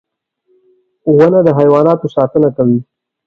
• ونه د حیواناتو ساتنه کوي.